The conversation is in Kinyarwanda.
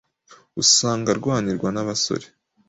usanga arwanirwa n’abasore